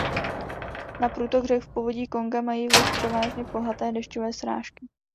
Na průtok řek v povodí "Konga" mají vliv převážně bohaté dešťové srážky.